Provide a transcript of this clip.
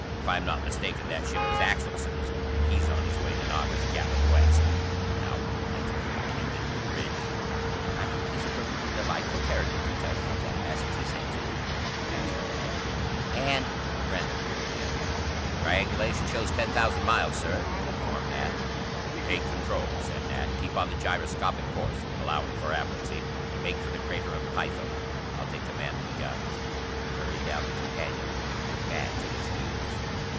"If I'm not mistaken, that ship is Axelson's, and he's on his way to knock us galley west. And now oblige me by leaving the bridge." "I think he's a perfectly delightful character, to judge from that message he sent you," answered Madge, "and " Brent appeared again. "Triangulation shows ten thousand miles, Sir," he informed Nat. "Take control," said Nat. "Keep on the gyroscopic course, allowing for aberrancy, and make for the Crater of Pytho. I'll take command of the guns." He hurried down the companion, with Madge at his heels.